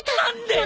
何で！？